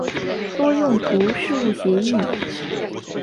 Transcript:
多用途事务协议。